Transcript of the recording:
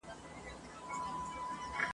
دغه که ګناه وي زه پخوا دوږخ منلی یم !.